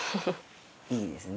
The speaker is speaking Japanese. いいですね。